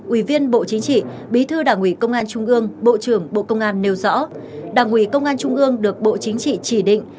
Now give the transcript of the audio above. ủy viên bộ chính trị bí thư đảng ủy công an trung ương bộ trưởng bộ công an nêu rõ đảng ủy công an trung ương được bộ chính trị chỉ định